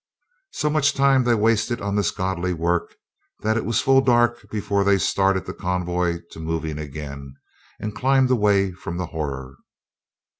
So much time they wasted on this godly work that it was full dark before they started the con voy to moving again and climbed away from the horror.